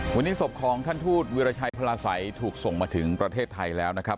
วันนี้ศพของท่านทูตวิราชัยพลาสัยถูกส่งมาถึงประเทศไทยแล้วนะครับ